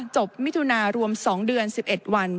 มิถุนารวม๒เดือน๑๑วัน